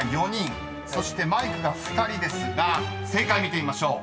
［そしてマイクが２人ですが正解見てみましょう。